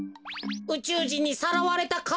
うちゅうじんにさらわれたか？